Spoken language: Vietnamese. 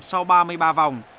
sau ba mươi ba vòng